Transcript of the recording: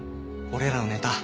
俺らのネタ